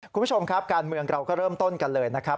คุณผู้ชมครับการเมืองเราก็เริ่มต้นกันเลยนะครับ